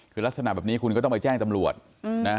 คือลักษณะแบบนี้คุณก็ต้องไปแจ้งตำรวจนะ